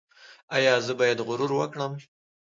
ایا زه باید غرور وکړم؟